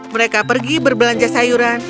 mereka pergi berbelanja sayuran